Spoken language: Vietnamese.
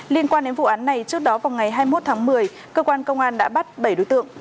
liên quan đến vụ án này trước đó vào ngày hai mươi một tháng một mươi cơ quan công an đã bắt bảy đối tượng